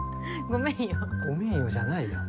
「ごめんよ」じゃないよ